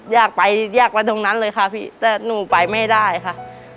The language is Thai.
อยากไปอยากไปตรงนั้นเลยค่ะพี่แต่หนูไปไม่ได้ค่ะ